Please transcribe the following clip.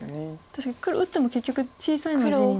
確かに黒打っても結局小さな地に。